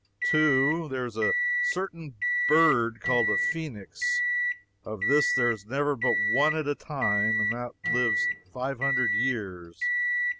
"2. There is a certain bird called a phoenix. Of this there is never but one at a time, and that lives five hundred years.